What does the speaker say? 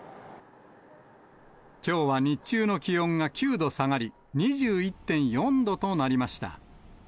きょうは日中の気温が９度下がり、２１．４度となりました。